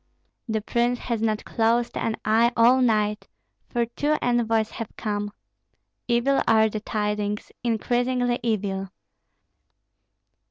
"The prince has not closed an eye all night, for two envoys have come. Evil are the tidings, increasingly evil.